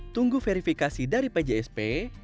tunggu verifikasi dari pjsp